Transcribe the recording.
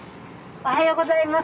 おはようございます。